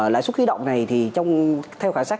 lãi suất khuy động này thì theo khả sát